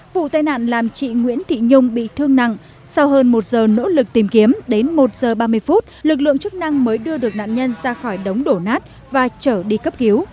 vụ tai nạn làm chị nguyễn thị nhung bị thương nặng sau hơn một giờ nỗ lực tìm kiếm đến một giờ ba mươi phút lực lượng chức năng mới đưa được nạn nhân ra khỏi đống đổ nát và trở đi cấp cứu